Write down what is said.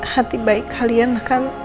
hati baik kalian akan